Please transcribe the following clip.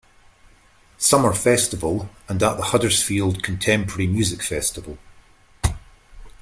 Summer Festival and at the Huddersfield Contemporary Music Festival.